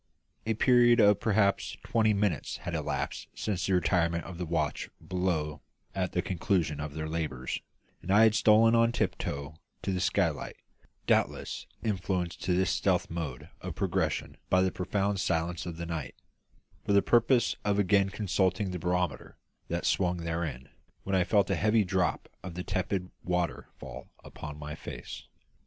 A period of perhaps twenty minutes had elapsed since the retirement of the watch below at the conclusion of their labours, and I had stolen on tiptoe to the skylight doubtless influenced to this stealthy mode of progression by the profound silence of the night for the purpose of again consulting the barometer that swung therein, when I felt a heavy drop of tepid water fall upon my face.